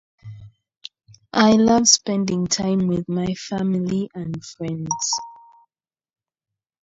These local enhancers can also affect the expression pattern of the transgene.